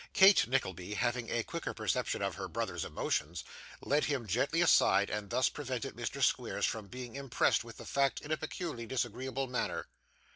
Kate Nickleby, having a quicker perception of her brother's emotions, led him gently aside, and thus prevented Mr. Squeers from being impressed with the fact in a peculiarly disagreeable manner.